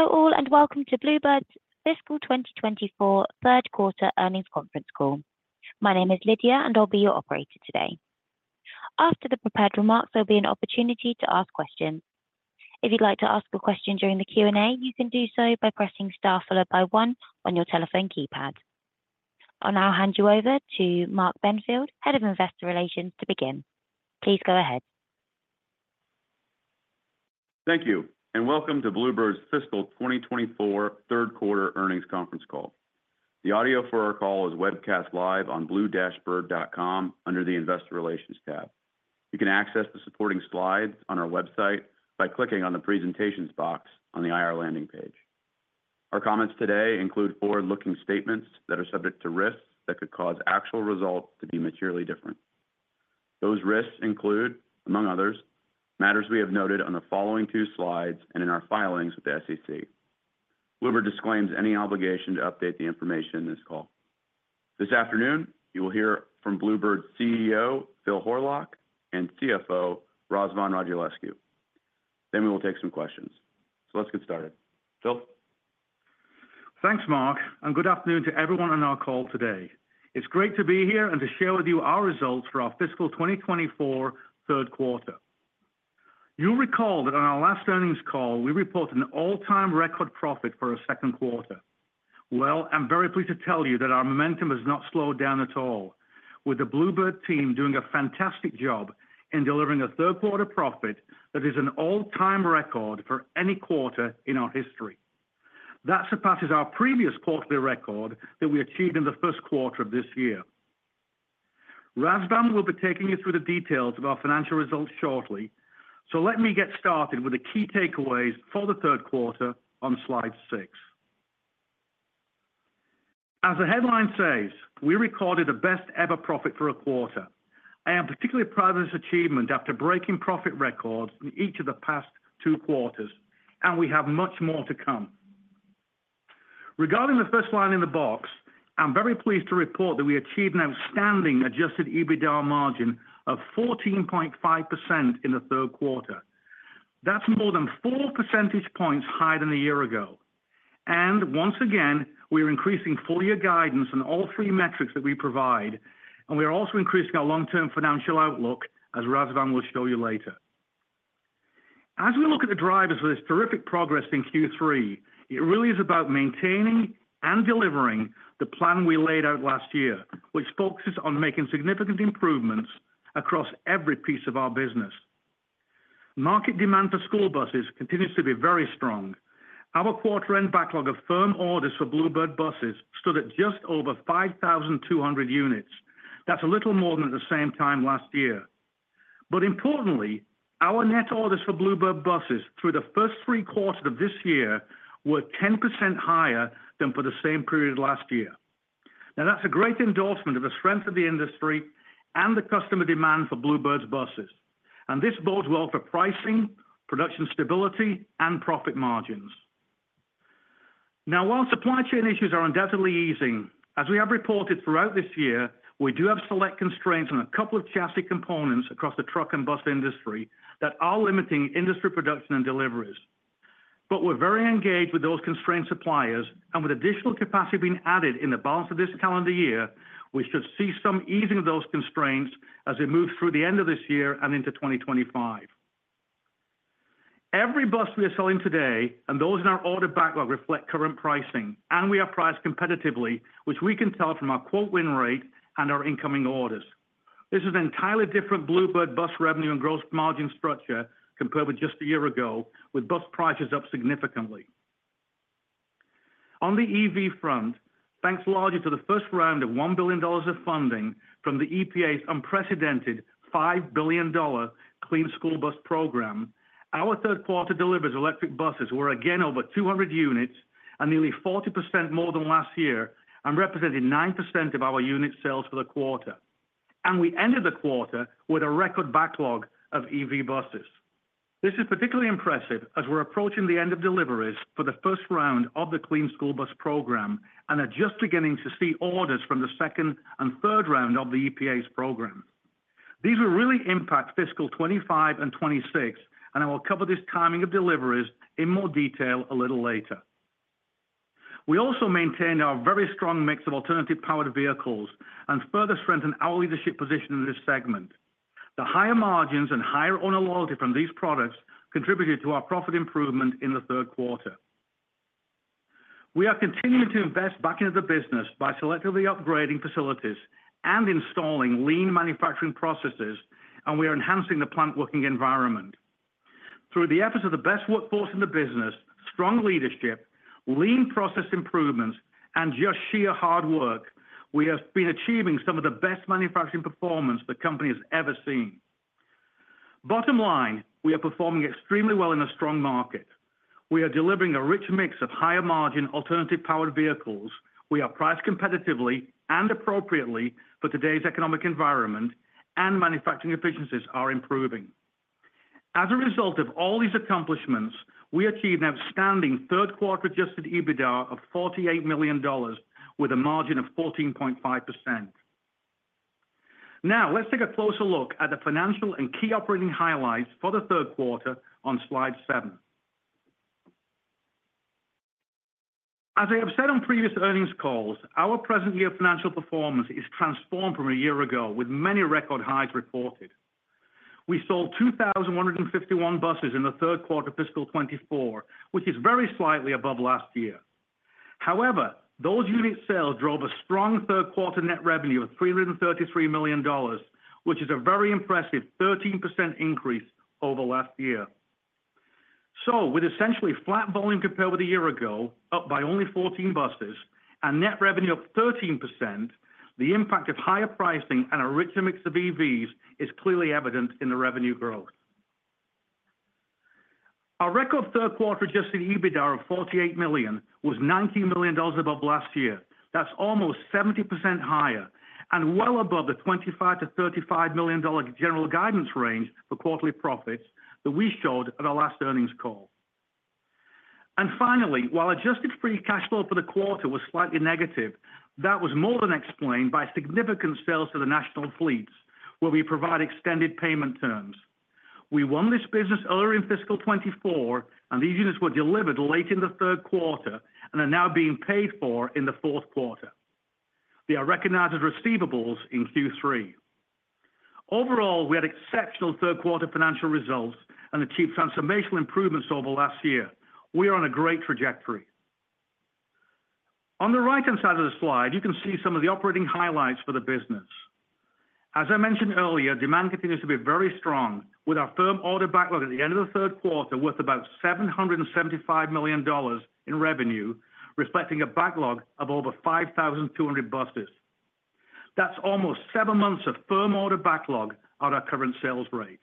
Hello all, and welcome to Blue Bird's fiscal 2024 third quarter earnings conference call. My name is Lydia, and I'll be your operator today. After the prepared remarks, there'll be an opportunity to ask questions. If you'd like to ask a question during the Q&A, you can do so by pressing star followed by one on your telephone keypad. I'll now hand you over to Mark Benfield, Head of Investor Relations, to begin. Please go ahead. Thank you, and welcome to Blue Bird's fiscal 2024 third quarter earnings conference call. The audio for our call is webcast live on blue-bird.com under the Investor Relations tab. You can access the supporting slides on our website by clicking on the Presentations box on the IR landing page. Our comments today include forward-looking statements that are subject to risks that could cause actual results to be materially different. Those risks include, among others, matters we have noted on the following two slides and in our filings with the SEC. Blue Bird disclaims any obligation to update the information in this call. This afternoon, you will hear from Blue Bird's CEO, Phil Horlock, and CFO, Razvan Radulescu. Then we will take some questions. So let's get started. Phil? Thanks, Mark, and good afternoon to everyone on our call today. It's great to be here and to share with you our results for our fiscal 2024 third quarter. You'll recall that on our last earnings call, we reported an all-time record profit for our second quarter. Well, I'm very pleased to tell you that our momentum has not slowed down at all, with the Blue Bird team doing a fantastic job in delivering a third quarter profit that is an all-time record for any quarter in our history. That surpasses our previous quarterly record that we achieved in the first quarter of this year. Razvan will be taking you through the details of our financial results shortly, so let me get started with the key takeaways for the third quarter on slide 6. As the headline says, we recorded the best ever profit for a quarter. I am particularly proud of this achievement after breaking profit records in each of the past two quarters, and we have much more to come. Regarding the first line in the box, I'm very pleased to report that we achieved an outstanding adjusted EBITDA margin of 14.5% in the third quarter. That's more than four percentage points higher than a year ago. And once again, we are increasing full year guidance on all three metrics that we provide, and we are also increasing our long-term financial outlook, as Razvan will show you later. As we look at the drivers for this terrific progress in Q3, it really is about maintaining and delivering the plan we laid out last year, which focuses on making significant improvements across every piece of our business. Market demand for school buses continues to be very strong. Our quarter-end backlog of firm orders for Blue Bird buses stood at just over 5,200 units. That's a little more than at the same time last year. But importantly, our net orders for Blue Bird buses through the first three quarters of this year were 10% higher than for the same period last year. Now, that's a great endorsement of the strength of the industry and the customer demand for Blue Bird's buses, and this bodes well for pricing, production stability, and profit margins. Now, while supply chain issues are undoubtedly easing, as we have reported throughout this year, we do have select constraints on a couple of chassis components across the truck and bus industry that are limiting industry production and deliveries. But we're very engaged with those constrained suppliers, and with additional capacity being added in the balance of this calendar year, we should see some easing of those constraints as we move through the end of this year and into 2025. Every bus we are selling today and those in our order backlog reflect current pricing, and we are priced competitively, which we can tell from our quote win rate and our incoming orders. This is an entirely different Blue Bird bus revenue and gross margin structure compared with just a year ago, with bus prices up significantly. On the EV front, thanks largely to the first round of $1 billion of funding from the EPA's unprecedented $5 billion Clean School Bus Program, our third quarter deliveries of electric buses were again over 200 units and nearly 40% more than last year and representing 9% of our unit sales for the quarter. We ended the quarter with a record backlog of EV buses. This is particularly impressive as we're approaching the end of deliveries for the first round of the Clean School Bus Program and are just beginning to see orders from the second and third round of the EPA's program. These will really impact fiscal 2025 and 2026, and I will cover this timing of deliveries in more detail a little later. We also maintained our very strong mix of alternative powered vehicles and further strengthened our leadership position in this segment. The higher margins and higher owner loyalty from these products contributed to our profit improvement in the third quarter. We are continuing to invest back into the business by selectively upgrading facilities and installing lean manufacturing processes, and we are enhancing the plant working environment. Through the efforts of the best workforce in the business, strong leadership, lean process improvements, and just sheer hard work, we have been achieving some of the best manufacturing performance the company has ever seen. Bottom line, we are performing extremely well in a strong market. We are delivering a rich mix of higher-margin, alternative-powered vehicles. We are priced competitively and appropriately for today's economic environment, and manufacturing efficiencies are improving. As a result of all these accomplishments, we achieved an outstanding third quarter Adjusted EBITDA of $48 million with a margin of 14.5%. Now, let's take a closer look at the financial and key operating highlights for the third quarter on slide seven. As I have said on previous earnings calls, our present year financial performance is transformed from a year ago, with many record highs reported. We sold 2,151 buses in the third quarter of fiscal 2024, which is very slightly above last year. However, those unit sales drove a strong third quarter net revenue of $333 million, which is a very impressive 13% increase over last year. So with essentially flat volume compared with a year ago, up by only 14 buses, and net revenue up 13%, the impact of higher pricing and a richer mix of EVs is clearly evident in the revenue growth. Our record third quarter Adjusted EBITDA of $48 million was $90 million above last year. That's almost 70% higher and well above the $25 million-$35 million general guidance range for quarterly profits that we showed at our last earnings call. And finally, while adjusted free cash flow for the quarter was slightly negative, that was more than explained by significant sales to the national fleets, where we provide extended payment terms. We won this business earlier in fiscal 2024, and these units were delivered late in the third quarter and are now being paid for in the fourth quarter. They are recognized as receivables in Q3. Overall, we had exceptional third quarter financial results and achieved transformational improvements over last year. We are on a great trajectory. On the right-hand side of the slide, you can see some of the operating highlights for the business. As I mentioned earlier, demand continues to be very strong, with our firm order backlog at the end of the third quarter worth about $775 million in revenue, reflecting a backlog of over 5,200 buses. That's almost 7 months of firm order backlog at our current sales rate.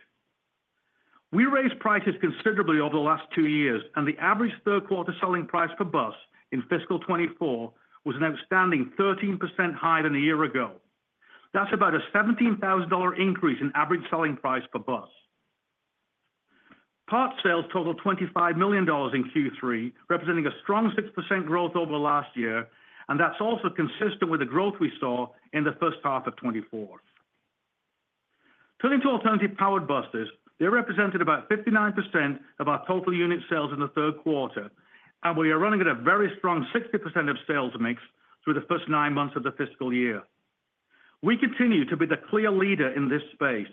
We raised prices considerably over the last 2 years, and the average third quarter selling price per bus in fiscal 2024 was an outstanding 13% higher than a year ago. That's about a $17,000 increase in average selling price per bus. Part sales totaled $25 million in Q3, representing a strong 6% growth over last year, and that's also consistent with the growth we saw in the first half of 2024. Turning to alternative-powered buses, they represented about 59% of our total unit sales in the third quarter, and we are running at a very strong 60% of sales mix through the first 9 months of the fiscal year. We continue to be the clear leader in this space.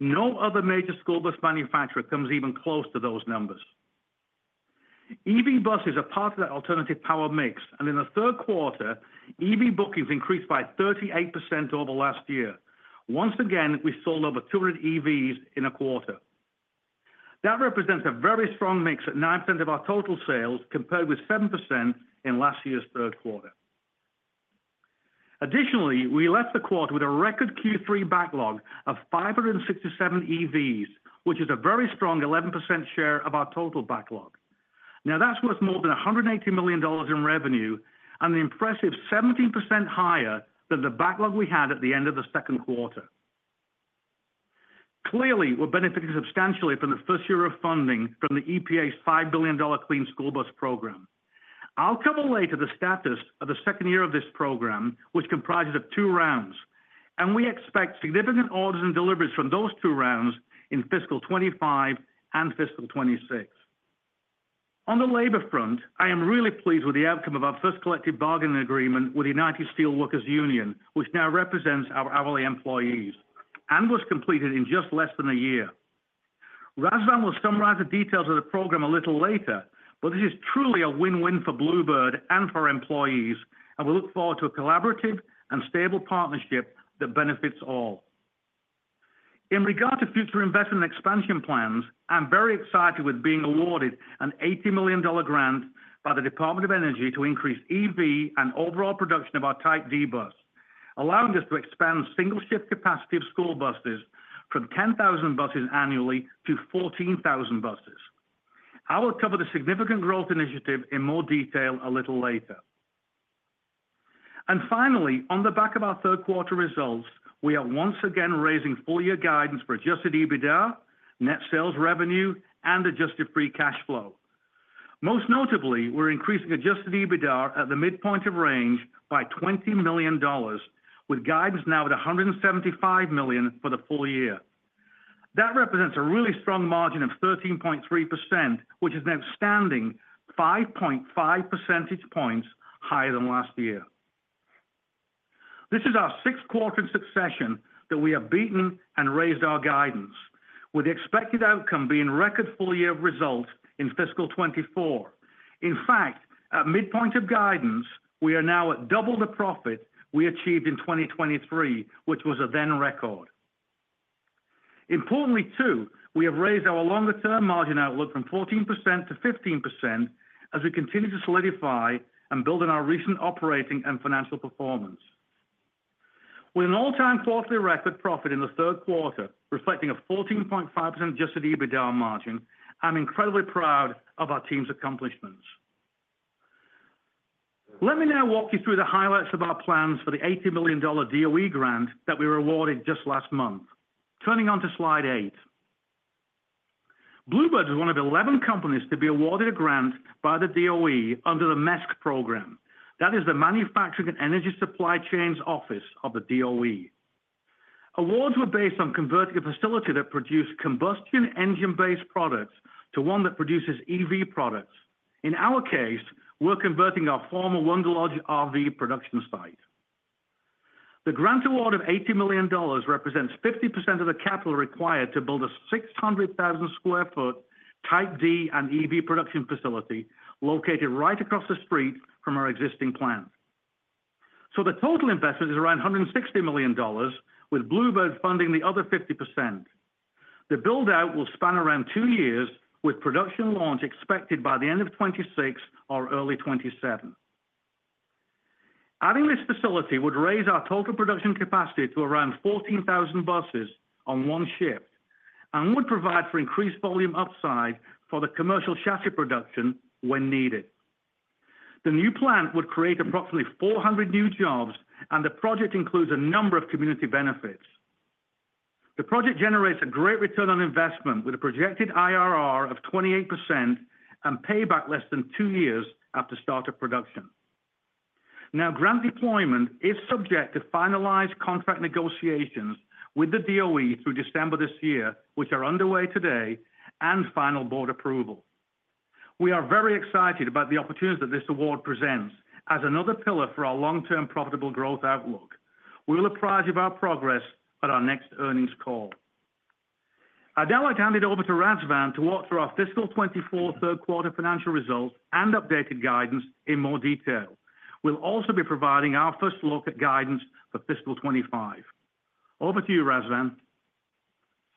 No other major school bus manufacturer comes even close to those numbers. EV buses are part of that alternative power mix, and in the third quarter, EV bookings increased by 38% over last year. Once again, we sold over 200 EVs in a quarter. That represents a very strong mix at 9% of our total sales, compared with 7% in last year's third quarter. Additionally, we left the quarter with a record Q3 backlog of 567 EVs, which is a very strong 11% share of our total backlog. Now, that's worth more than $180 million in revenue and an impressive 17% higher than the backlog we had at the end of the second quarter. Clearly, we're benefiting substantially from the first year of funding from the EPA's $5 billion Clean School Bus Program. I'll cover later the status of the second year of this program, which comprises of two rounds, and we expect significant orders and deliveries from those two rounds in fiscal 2025 and fiscal 2026. On the labor front, I am really pleased with the outcome of our first collective bargaining agreement with the United Steelworkers union, which now represents our hourly employees and was completed in just less than a year. Razvan will summarize the details of the program a little later, but this is truly a win-win for Blue Bird and for our employees, and we look forward to a collaborative and stable partnership that benefits all. In regard to future investment expansion plans, I'm very excited with being awarded an $80 million grant by the Department of Energy to increase EV and overall production of our Type D bus, allowing us to expand single shift capacity of school buses from 10,000 buses annually to 14,000 buses. I will cover the significant growth initiative in more detail a little later. Finally, on the back of our third quarter results, we are once again raising full year guidance for adjusted EBITDA, net sales revenue, and adjusted free cash flow. Most notably, we're increasing adjusted EBITDA at the midpoint of range by $20 million, with guidance now at $175 million for the full year. That represents a really strong margin of 13.3%, which is an outstanding 5.5 percentage points higher than last year. This is our sixth quarter in succession that we have beaten and raised our guidance, with the expected outcome being record full year results in fiscal 2024. In fact, at midpoint of guidance, we are now at double the profit we achieved in 2023, which was a then record. Importantly, too, we have raised our longer-term margin outlook from 14%-15% as we continue to solidify and build on our recent operating and financial performance. With an all-time quarterly record profit in the third quarter, reflecting a 14.5% adjusted EBITDA margin, I'm incredibly proud of our team's accomplishments. Let me now walk you through the highlights of our plans for the $80 million DOE grant that we were awarded just last month. Turning to slide 8. Blue Bird is one of 11 companies to be awarded a grant by the DOE under the MESC program. That is the Manufacturing and Energy Supply Chains Office of the DOE. Awards were based on converting a facility that produced combustion engine-based products to one that produces EV products. In our case, we're converting our former Wanderlodge RV production site. The grant award of $80 million represents 50% of the capital required to build a 600,000 sq ft Type D and EV production facility, located right across the street from our existing plant. So the total investment is around $160 million, with Blue Bird funding the other 50%. The build-out will span around two years, with production launch expected by the end of 2026 or early 2027. Adding this facility would raise our total production capacity to around 14,000 buses on one shift, and would provide for increased volume upside for the commercial chassis production when needed. The new plant would create approximately 400 new jobs, and the project includes a number of community benefits. The project generates a great return on investment, with a projected IRR of 28% and payback less than two years after start of production. Now, grant deployment is subject to finalized contract negotiations with the DOE through December this year, which are underway today, and final board approval. We are very excited about the opportunities that this award presents as another pillar for our long-term profitable growth outlook. We will apprise you of our progress at our next earnings call. I'd now like to hand it over to Razvan to walk through our fiscal 2024 third quarter financial results and updated guidance in more detail. We'll also be providing our first look at guidance for fiscal 2025. Over to you, Razvan.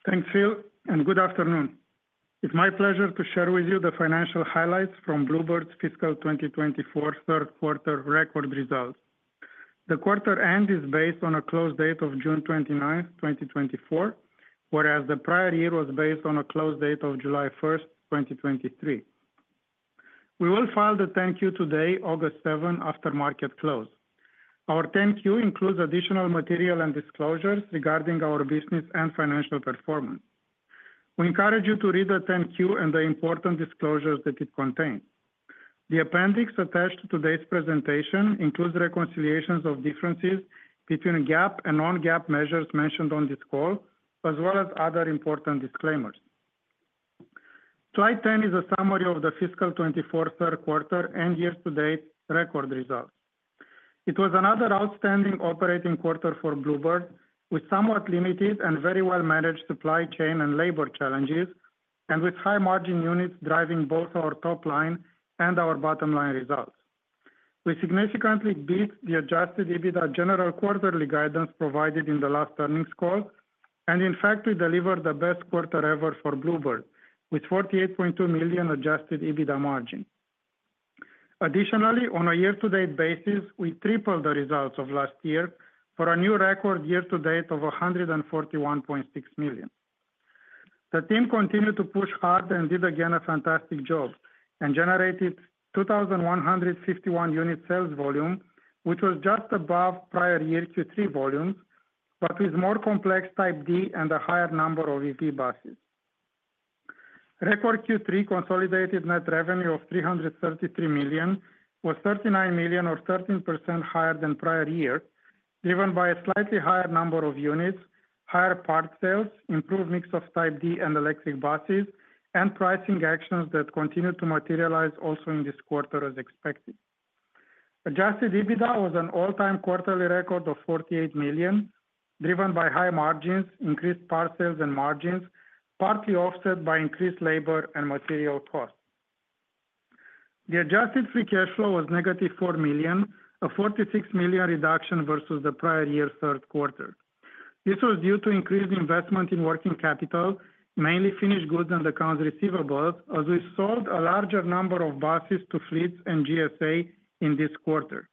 Thanks, Phil, and good afternoon. It's my pleasure to share with you the financial highlights from Blue Bird's fiscal 2024 third quarter record results. The quarter end is based on a close date of June 29, 2024, whereas the prior year was based on a close date of July 1, 2023. We will file the 10-Q today, August 7, after market close. Our 10-Q includes additional material and disclosures regarding our business and financial performance. We encourage you to read the 10-Q and the important disclosures that it contains. The appendix attached to today's presentation includes reconciliations of differences between GAAP and non-GAAP measures mentioned on this call, as well as other important disclaimers. Slide 10 is a summary of the fiscal 2024 third quarter and year-to-date record results. It was another outstanding operating quarter for Blue Bird, with somewhat limited and very well-managed supply chain and labor challenges, and with high-margin units driving both our top line and our bottom line results. We significantly beat the adjusted EBITDA general quarterly guidance provided in the last earnings call, and in fact, we delivered the best quarter ever for Blue Bird, with $48.2 million adjusted EBITDA margin. Additionally, on a year-to-date basis, we tripled the results of last year for a new record year-to-date of $141.6 million. The team continued to push hard and did again, a fantastic job, and generated 2,151 unit sales volume, which was just above prior year Q3 volumes, but with more complex Type D and a higher number of EV buses. Record Q3 consolidated net revenue of $333 million, was $39 million or 13% higher than prior year, driven by a slightly higher number of units, higher parts sales, improved mix of Type D and electric buses, and pricing actions that continued to materialize also in this quarter as expected. Adjusted EBITDA was an all-time quarterly record of $48 million, driven by high margins, increased parts sales and margins, partly offset by increased labor and material costs. The adjusted free cash flow was -$4 million, a $46 million reduction versus the prior year's third quarter. This was due to increased investment in working capital, mainly finished goods and accounts receivable, as we sold a larger number of buses to fleets and GSA in this quarter.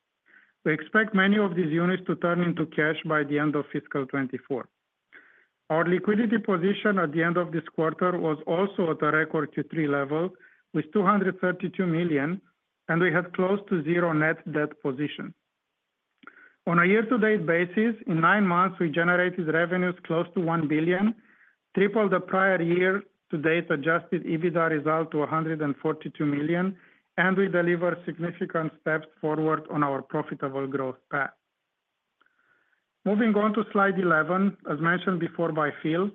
We expect many of these units to turn into cash by the end of fiscal 2024. Our liquidity position at the end of this quarter was also at a record Q3 level, with $232 million, and we had close to zero net debt position. On a year-to-date basis, in nine months, we generated revenues close to $1 billion, triple the prior year-to-date adjusted EBITDA result to $142 million, and we delivered significant steps forward on our profitable growth path. Moving on to slide 11, as mentioned before by Phil,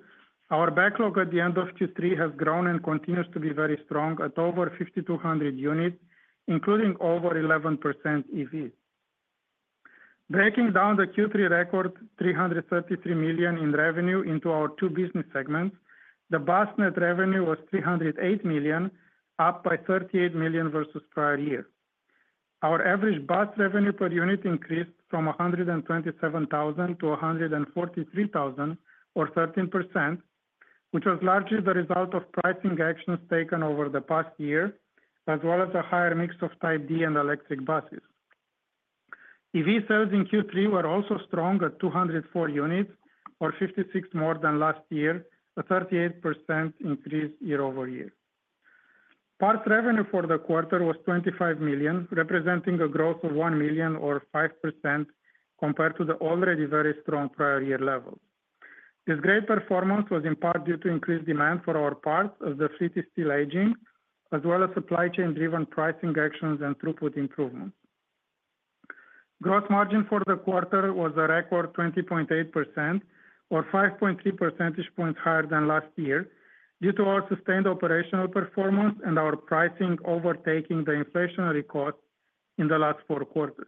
our backlog at the end of Q3 has grown and continues to be very strong at over 5,200 units, including over 11% EV. Breaking down the Q3 record $333 million in revenue into our two business segments, the bus net revenue was $308 million, up by $38 million versus prior year. Our average bus revenue per unit increased from $127,000-$143,000 or 13%, which was largely the result of pricing actions taken over the past year, as well as a higher mix of Type D and electric buses. EV sales in Q3 were also strong at 204 units, or 56 more than last year, a 38% increase year-over-year. Parts revenue for the quarter was $25 million, representing a growth of $1 million or 5% compared to the already very strong prior year level. This great performance was in part due to increased demand for our parts as the fleet is still aging, as well as supply chain-driven pricing actions and throughput improvements. Gross margin for the quarter was a record 20.8%, or 5.3 percentage points higher than last year, due to our sustained operational performance and our pricing overtaking the inflationary costs in the last four quarters.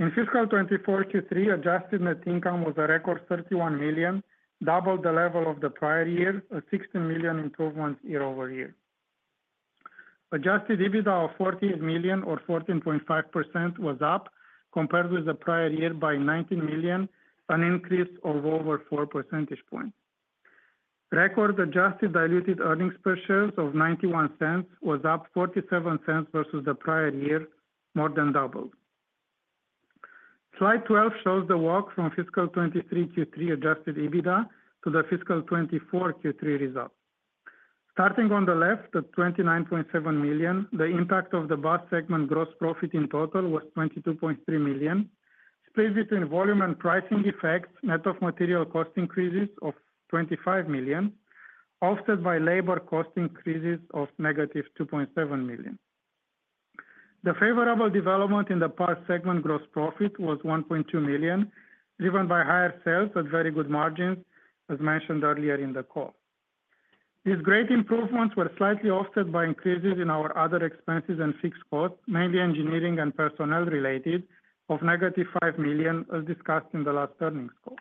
In fiscal 2024 Q3, adjusted net income was a record $31 million, double the level of the prior year, a $16 million improvement year-over-year. Adjusted EBITDA of $14 million or 14.5% was up, compared with the prior year by $19 million, an increase of over four percentage points. Record adjusted diluted earnings per share of $0.91 was up 47 cents versus the prior year, more than double. Slide 12 shows the walk from fiscal 2023 Q3 adjusted EBITDA to the fiscal 2024 Q3 results. Starting on the left, at $29.7 million, the impact of the bus segment gross profit in total was $22.3 million, split between volume and pricing effects, net of material cost increases of $25 million, offset by labor cost increases of -$2.7 million. The favorable development in the parts segment gross profit was $1.2 million, driven by higher sales at very good margins, as mentioned earlier in the call. These great improvements were slightly offset by increases in our other expenses and fixed costs, mainly engineering and personnel related, of -$5 million, as discussed in the last earnings call.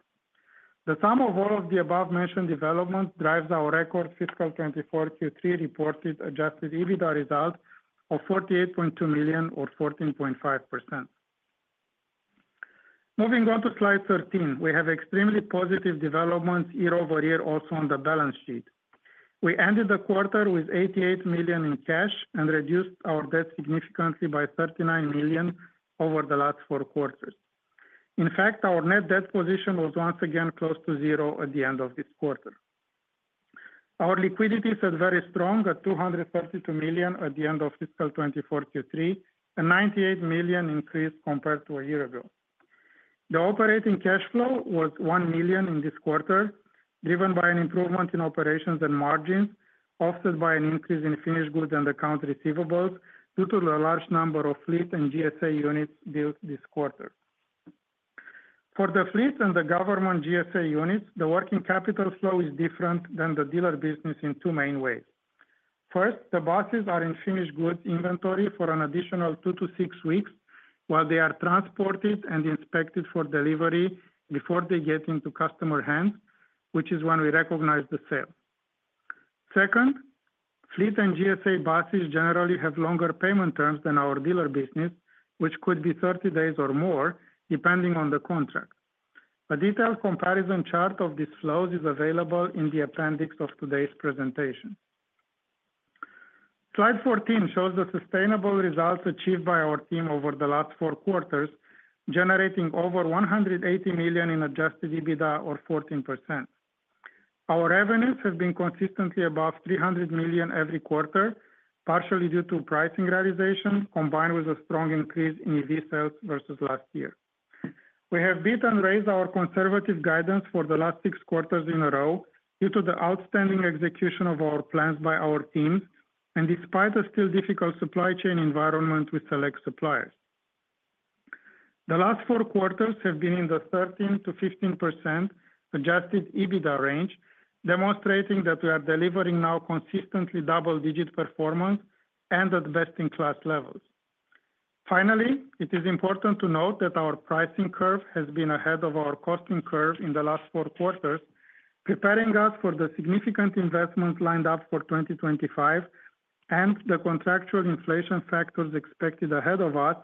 The sum of all of the above-mentioned developments drives our record fiscal 2024 Q3 reported adjusted EBITDA result of $48.2 million or 14.5%. Moving on to slide 13. We have extremely positive developments year-over-year also on the balance sheet. We ended the quarter with $88 million in cash and reduced our debt significantly by $39 million over the last four quarters. In fact, our net debt position was once again close to zero at the end of this quarter. Our liquidity is very strong, at $232 million at the end of fiscal 2024 Q3, a $98 million increase compared to a year ago. The operating cash flow was $1 million in this quarter, driven by an improvement in operations and margins, offset by an increase in finished goods and account receivables due to the large number of fleet and GSA units built this quarter. For the fleet and the government GSA units, the working capital flow is different than the dealer business in two main ways. First, the buses are in finished goods inventory for an additional 2-6 weeks while they are transported and inspected for delivery before they get into customer hands, which is when we recognize the sale. Second, fleet and GSA buses generally have longer payment terms than our dealer business, which could be 30 days or more, depending on the contract. A detailed comparison chart of these flows is available in the appendix of today's presentation. Slide 14 shows the sustainable results achieved by our team over the last four quarters, generating over $180 million in adjusted EBITDA or 14%. Our revenues have been consistently above $300 million every quarter, partially due to pricing realization, combined with a strong increase in EV sales versus last year. We have beat and raised our conservative guidance for the last six quarters in a row due to the outstanding execution of our plans by our teams and despite a still difficult supply chain environment with select suppliers. The last four quarters have been in the 13%-15% adjusted EBITDA range, demonstrating that we are delivering now consistently double-digit performance and at best-in-class levels. Finally, it is important to note that our pricing curve has been ahead of our costing curve in the last four quarters, preparing us for the significant investments lined up for 2025 and the contractual inflation factors expected ahead of us,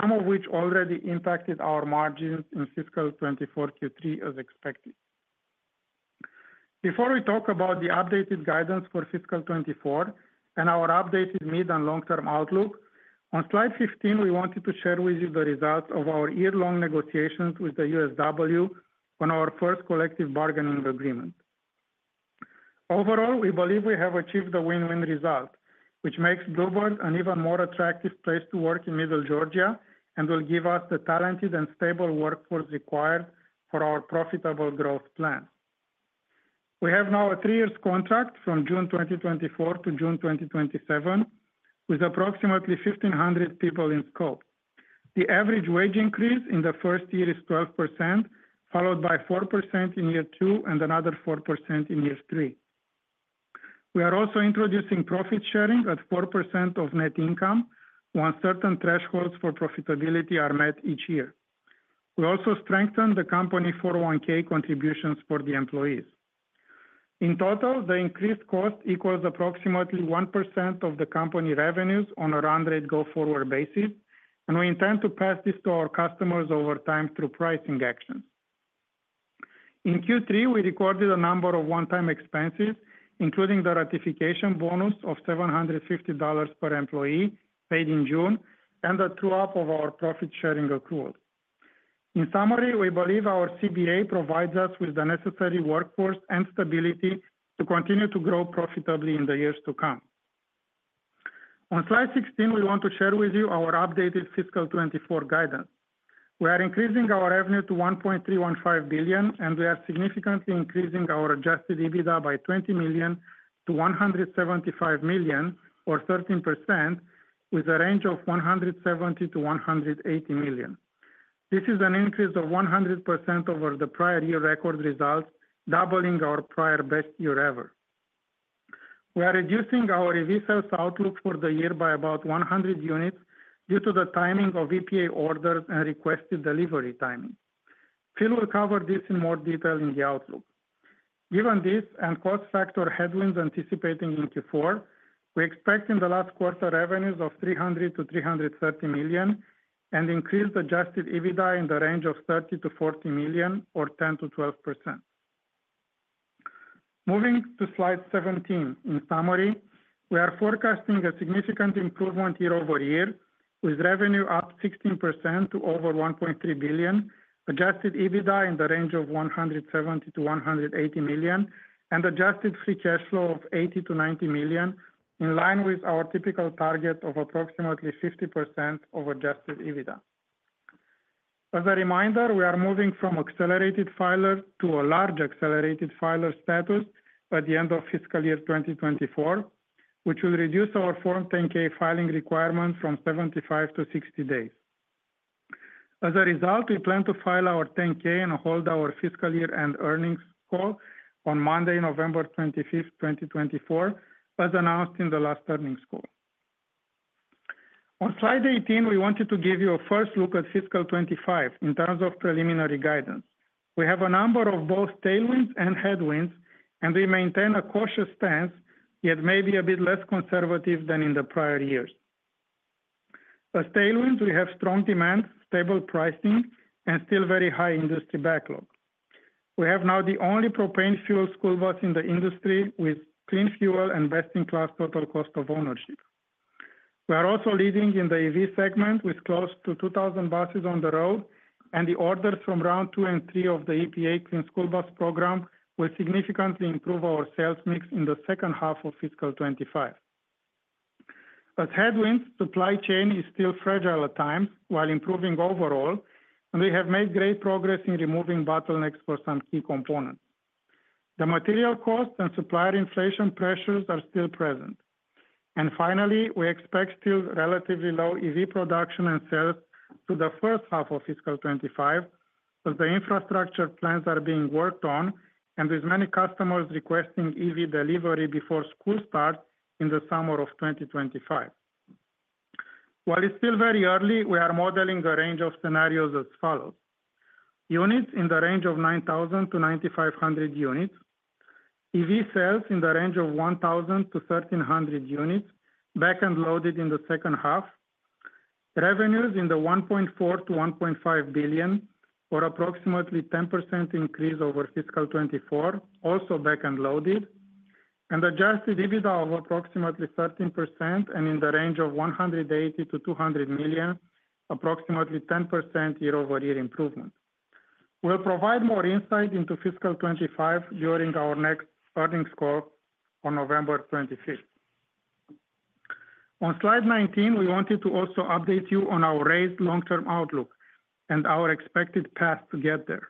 some of which already impacted our margins in fiscal 2024 Q3 as expected. Before we talk about the updated guidance for fiscal 2024 and our updated mid and long-term outlook, on slide 15, we wanted to share with you the results of our year-long negotiations with the USW on our first collective bargaining agreement. Overall, we believe we have achieved a win-win result, which makes Blue Bird an even more attractive place to work in Middle Georgia and will give us the talented and stable workforce required for our profitable growth plan. We have now a three years contract from June 2024-June 2027, with approximately 1,500 people in scope. The average wage increase in the first year is 12%, followed by 4% in year two and another 4% in year three. We are also introducing profit sharing at 4% of net income, once certain thresholds for profitability are met each year. We also strengthened the company 401(k) contributions for the employees. In total, the increased cost equals approximately 1% of the company revenues on a run rate go-forward basis, and we intend to pass this to our customers over time through pricing actions. In Q3, we recorded a number of one-time expenses, including the ratification bonus of $750 per employee paid in June and the true-up of our profit sharing accrual. In summary, we believe our CBA provides us with the necessary workforce and stability to continue to grow profitably in the years to come. On slide 16, we want to share with you our updated fiscal 2024 guidance. We are increasing our revenue to $1.315 billion, and we are significantly increasing our adjusted EBITDA by $20 million-$175 million, or 13%, with a range of $170 million-$180 million. This is an increase of 100% over the prior year record results, doubling our prior best year ever. We are reducing our EV sales outlook for the year by about 100 units due to the timing of EPA orders and requested delivery timing. Phil will cover this in more detail in the outlook. Given this and cost factor headwinds anticipating into Q4, we expect in the last quarter revenues of $300 million-$330 million, and increased adjusted EBITDA in the range of $30 million-$40 million, or 10%-12%. Moving to slide 17. In summary, we are forecasting a significant improvement year-over-year, with revenue up 16% to over $1.3 billion, adjusted EBITDA in the range of $170 million-$180 million, and adjusted free cash flow of $80 million-$90 million, in line with our typical target of approximately 50% of adjusted EBITDA. As a reminder, we are moving from accelerated filer to a large accelerated filer status by the end of fiscal year 2024, which will reduce our Form 10-K filing requirement from 75-60 days. As a result, we plan to file our 10-K and hold our fiscal year and earnings call on Monday, November 25th, 2024, as announced in the last earnings call. On slide 18, we wanted to give you a first look at fiscal 2025 in terms of preliminary guidance. We have a number of both tailwinds and headwinds, and we maintain a cautious stance, yet maybe a bit less conservative than in the prior years. As tailwinds, we have strong demand, stable pricing, and still very high industry backlog. We have now the only propane fuel school bus in the industry with clean fuel and best-in-class total cost of ownership. We are also leading in the EV segment with close to 2,000 buses on the road, and the orders from round 2 and 3 of the EPA Clean School Bus Program will significantly improve our sales mix in the second half of fiscal 2025. As headwinds, supply chain is still fragile at times, while improving overall, and we have made great progress in removing bottlenecks for some key components. The material cost and supplier inflation pressures are still present. Finally, we expect still relatively low EV production and sales through the first half of fiscal 2025, as the infrastructure plans are being worked on, and with many customers requesting EV delivery before school starts in the summer of 2025. While it's still very early, we are modeling a range of scenarios as follows: units in the range of 9,000-9,500 units, EV sales in the range of 1,000-1,300 units, back-end loaded in the second half, revenues in the $1.4-$1.5 billion, or approximately 10% increase over fiscal 2024, also back-end loaded, and adjusted EBITDA of approximately 13% and in the range of $180-$200 million, approximately 10% year-over-year improvement. We'll provide more insight into fiscal 2025 during our next earnings call on November 25. On slide 19, we wanted to also update you on our raised long-term outlook and our expected path to get there.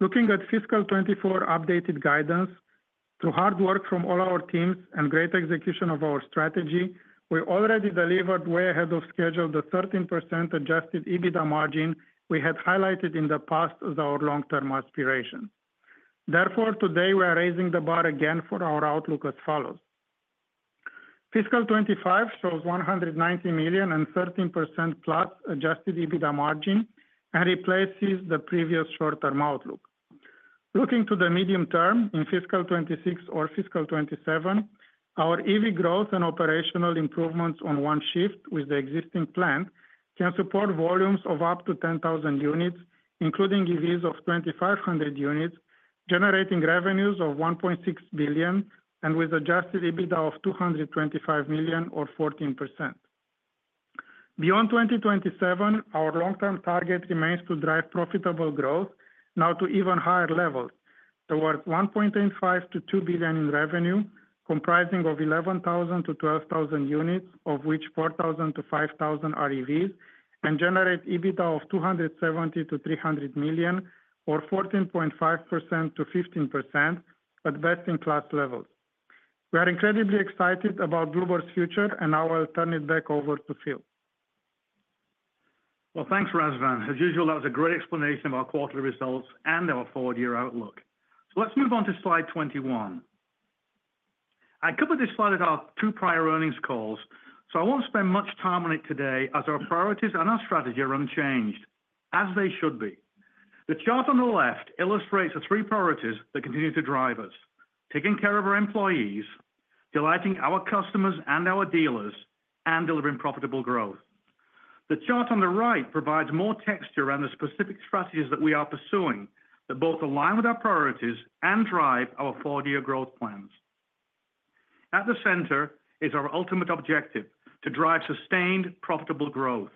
Looking at fiscal 2024 updated guidance, through hard work from all our teams and great execution of our strategy, we already delivered way ahead of schedule, the 13% adjusted EBITDA margin we had highlighted in the past as our long-term aspiration. Therefore, today, we are raising the bar again for our outlook as follows: fiscal 2025 shows $190 million and 13%+ adjusted EBITDA margin and replaces the previous short-term outlook. Looking to the medium term, in fiscal 2026 or fiscal 2027, our EV growth and operational improvements on one shift with the existing plant can support volumes of up to 10,000 units, including EVs of 2,500 units, generating revenues of $1.6 billion and with adjusted EBITDA of $225 million or 14%. Beyond 2027, our long-term target remains to drive profitable growth now to even higher levels, towards $1.85-$2 billion in revenue, comprising of 11,000-12,000 units, of which 4,000-5,000 are EVs, and generate EBITDA of $270-$300 million or 14.5%-15% at best-in-class levels. We are incredibly excited about Blue Bird's future, and now I'll turn it back over to Phil. Well, thanks, Razvan. As usual, that was a great explanation of our quarterly results and our forward-year outlook. So let's move on to slide 21. I covered this slide at our two prior earnings calls, so I won't spend much time on it today, as our priorities and our strategy are unchanged, as they should be. The chart on the left illustrates the three priorities that continue to drive us: taking care of our employees, delighting our customers and our dealers, and delivering profitable growth. The chart on the right provides more texture around the specific strategies that we are pursuing that both align with our priorities and drive our 4-year growth plans. At the center is our ultimate objective, to drive sustained profitable growth.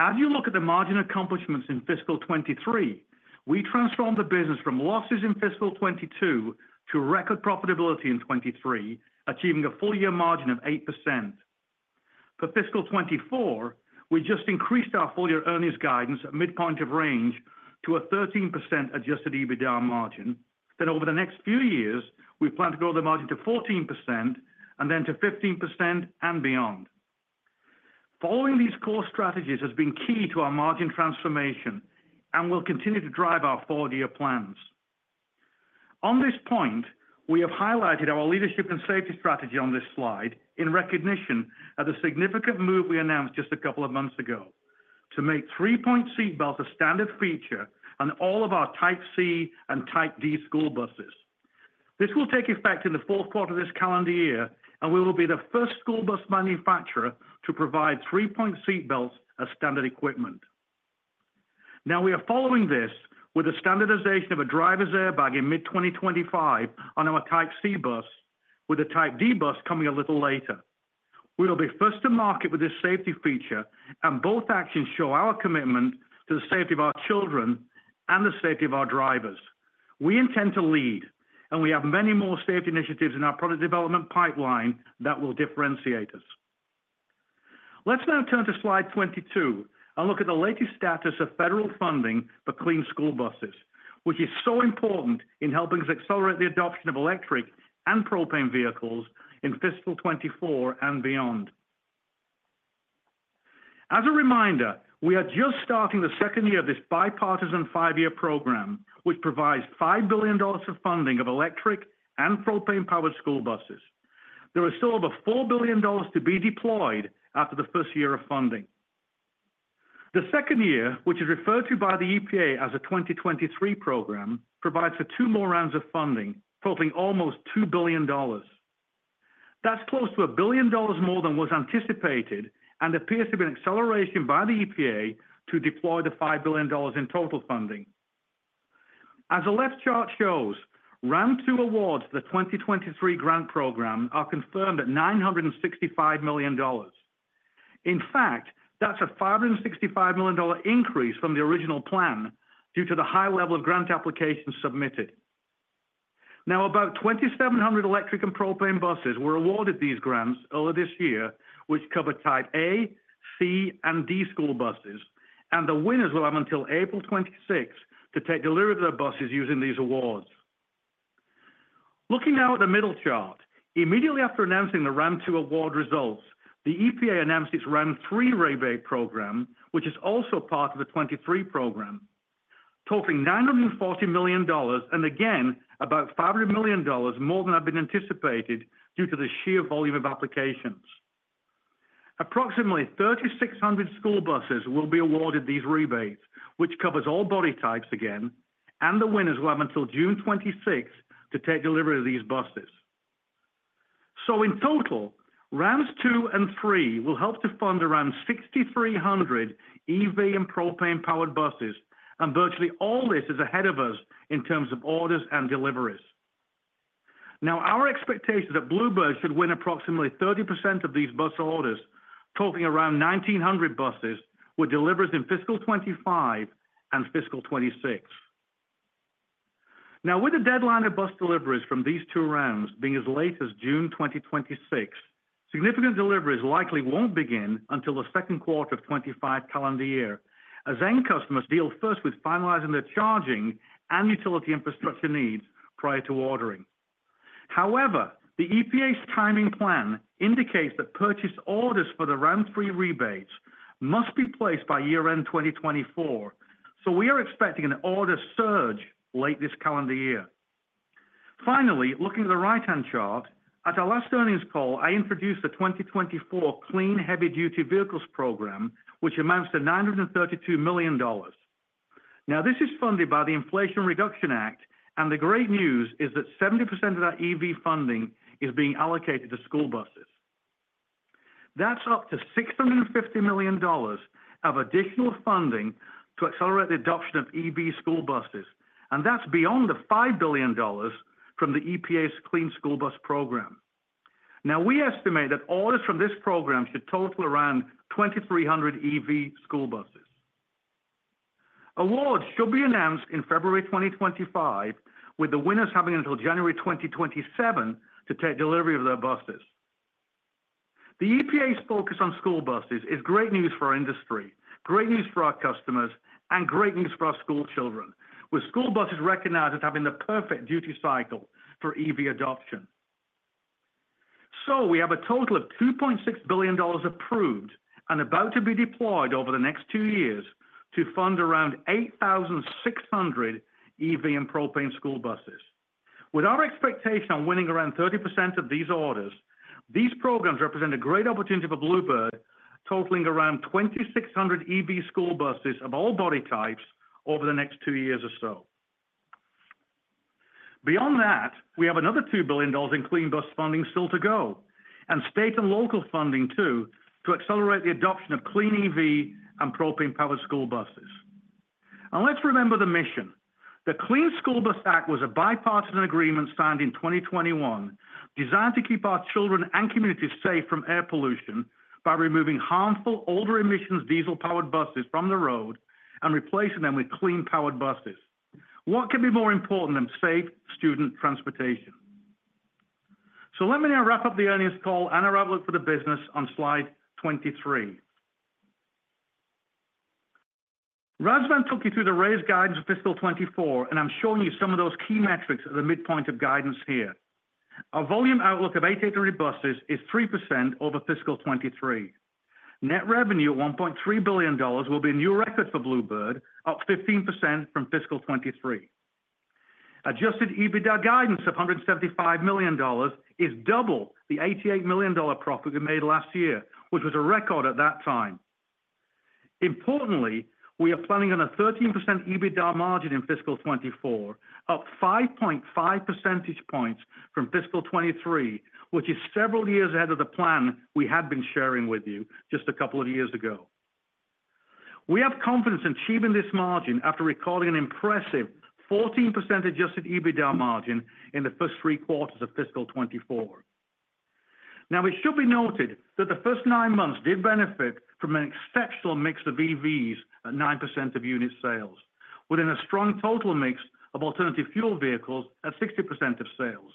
As you look at the margin accomplishments in fiscal 2023, we transformed the business from losses in fiscal 2022 to record profitability in 2023, achieving a full year margin of 8%. For fiscal 2024, we just increased our full year earnings guidance at midpoint of range to a 13% adjusted EBITDA margin. Then over the next few years, we plan to grow the margin to 14% and then to 15% and beyond. Following these core strategies has been key to our margin transformation, and will continue to drive our four-year plans. On this point, we have highlighted our leadership and safety strategy on this slide in recognition of the significant move we announced just a couple of months ago, to make 3-point seatbelt a standard feature on all of our Type C and Type D school buses. This will take effect in the fourth quarter of this calendar year, and we will be the first school bus manufacturer to provide three-point seat belts as standard equipment. Now, we are following this with the standardization of a driver's airbag in mid-2025 on our Type C bus, with a Type D bus coming a little later. We will be first to market with this safety feature, and both actions show our commitment to the safety of our children and the safety of our drivers. We intend to lead, and we have many more safety initiatives in our product development pipeline that will differentiate us. Let's now turn to slide 22 and look at the latest status of federal funding for clean school buses, which is so important in helping us accelerate the adoption of electric and propane vehicles in fiscal 2024 and beyond. As a reminder, we are just starting the second year of this bipartisan 5-year program, which provides $5 billion of funding of electric and propane-powered school buses. There are still over $4 billion to be deployed after the first year of funding. The second year, which is referred to by the EPA as a 2023 program, provides for two more rounds of funding, totaling almost $2 billion. That's close to $1 billion more than was anticipated and appears to be an acceleration by the EPA to deploy the $5 billion in total funding. As the left chart shows, Round 2 awards to the 2023 grant program are confirmed at $965 million. In fact, that's a $565 million increase from the original plan due to the high level of grant applications submitted. Now, about 2,700 electric and propane buses were awarded these grants earlier this year, which cover Type A, C, and D school buses, and the winners will have until April 2026 to take delivery of their buses using these awards. Looking now at the middle chart, immediately after announcing the Round 2 award results, the EPA announced its Round 3 rebate program, which is also part of the 2023 program, totaling $940 million, and again, about $500 million more than had been anticipated due to the sheer volume of applications. Approximately 3,600 school buses will be awarded these rebates, which covers all body types again, and the winners will have until June 2026 to take delivery of these buses. So in total, Rounds 2 and 3 will help to fund around 6,300 EV and propane-powered buses, and virtually all this is ahead of us in terms of orders and deliveries. Now, our expectation that Blue Bird should win approximately 30% of these bus orders, totaling around 1,900 buses, with deliveries in fiscal 2025 and fiscal 2026. Now, with the deadline of bus deliveries from these two rounds being as late as June 2026, significant deliveries likely won't begin until the second quarter of 2025 calendar year, as end customers deal first with finalizing their charging and utility infrastructure needs prior to ordering. However, the EPA's timing plan indicates that purchase orders for the Round 3 rebates must be placed by year-end 2024, so we are expecting an order surge late this calendar year. Finally, looking at the right-hand chart, at our last earnings call, I introduced the 2024 Clean Heavy-Duty Vehicles Program, which amounts to $932 million. Now, this is funded by the Inflation Reduction Act, and the great news is that 70% of that EV funding is being allocated to school buses. That's up to $650 million of additional funding to accelerate the adoption of EV school buses, and that's beyond the $5 billion from the EPA's Clean School Bus Program. Now, we estimate that orders from this program should total around 2,300 EV school buses. Awards should be announced in February 2025, with the winners having until January 2027 to take delivery of their buses. The EPA's focus on school buses is great news for our industry, great news for our customers, and great news for our school children, with school buses recognized as having the perfect duty cycle for EV adoption. So we have a total of $2.6 billion approved and about to be deployed over the next two years to fund around 8,600 EV and propane school buses. With our expectation on winning around 30% of these orders, these programs represent a great opportunity for Blue Bird, totaling around 2,600 EV school buses of all body types over the next two years or so. Beyond that, we have another $2 billion in clean bus funding still to go, and state and local funding, too, to accelerate the adoption of clean EV and propane-powered school buses. And let's remember the mission. The Clean School Bus Act was a bipartisan agreement signed in 2021, designed to keep our children and communities safe from air pollution by removing harmful, older emissions, diesel-powered buses from the road and replacing them with clean-powered buses. What could be more important than safe student transportation? So let me now wrap up the earnings call and our outlook for the business on slide 23. Razvan took you through the raised guidance of fiscal 2024, and I'm showing you some of those key metrics at the midpoint of guidance here. Our volume outlook of 800 buses is 3% over fiscal 2023. Net revenue at $1.3 billion will be a new record for Blue Bird, up 15% from fiscal 2023. Adjusted EBITDA guidance of $175 million is double the $88 million profit we made last year, which was a record at that time. Importantly, we are planning on a 13% EBITDA margin in fiscal 2024, up 5.5 percentage points from fiscal 2023, which is several years ahead of the plan we had been sharing with you just a couple of years ago. We have confidence in achieving this margin after recording an impressive 14% adjusted EBITDA margin in the first three quarters of fiscal 2024. Now, it should be noted that the first nine months did benefit from an exceptional mix of EVs at 9% of unit sales, within a strong total mix of alternative fuel vehicles at 60% of sales.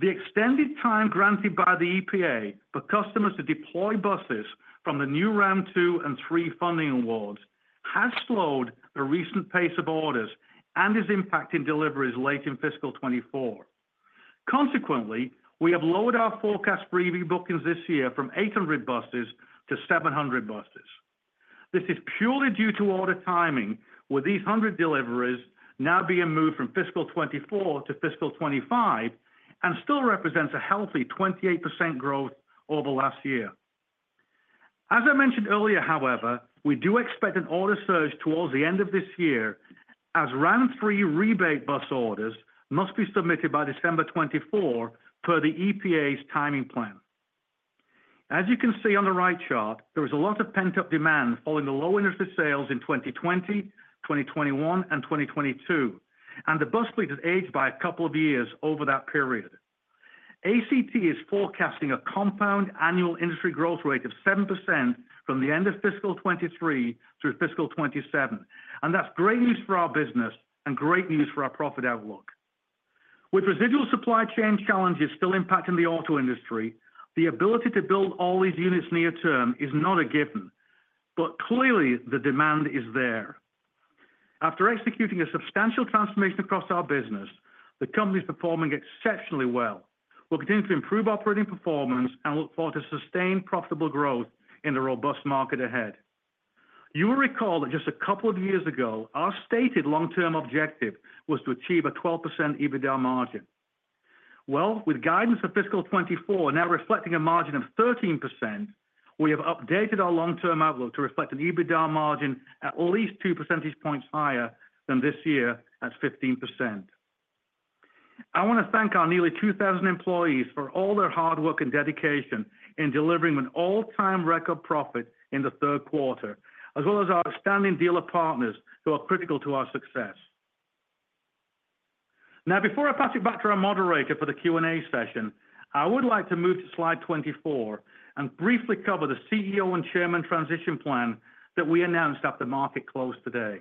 The extended time granted by the EPA for customers to deploy buses from the new Round 2 and 3 funding awards has slowed the recent pace of orders and is impacting deliveries late in fiscal 2024. Consequently, we have lowered our forecast for EV bookings this year from 800 buses-700 buses. This is purely due to order timing, with these 100 deliveries now being moved from fiscal 2024 to fiscal 2025 and still represents a healthy 28% growth over last year. As I mentioned earlier, however, we do expect an order surge towards the end of this year, as Round 3 rebate bus orders must be submitted by December 2024, per the EPA's timing plan. As you can see on the right chart, there was a lot of pent-up demand following the low interest of sales in 2020, 2021, and 2022, and the bus fleet has aged by a couple of years over that period. ACT is forecasting a compound annual industry growth rate of 7% from the end of fiscal 2023 through fiscal 2027, and that's great news for our business and great news for our profit outlook. With residual supply chain challenges still impacting the auto industry, the ability to build all these units near term is not a given, but clearly the demand is there. After executing a substantial transformation across our business, the company is performing exceptionally well. We'll continue to improve operating performance and look forward to sustained profitable growth in the robust market ahead. You will recall that just a couple of years ago, our stated long-term objective was to achieve a 12% EBITDA margin. Well, with guidance for fiscal 2024 now reflecting a margin of 13%, we have updated our long-term outlook to reflect an EBITDA margin at least 2 percentage points higher than this year at 15%. I want to thank our nearly 2,000 employees for all their hard work and dedication in delivering an all-time record profit in the third quarter, as well as our outstanding dealer partners who are critical to our success. Now, before I pass it back to our moderator for the Q&A session, I would like to move to slide 24 and briefly cover the CEO and chairman transition plan that we announced after market close today.